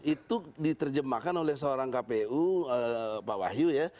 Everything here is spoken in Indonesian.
itu diterjemahkan oleh seorang kpu pak wahyu ya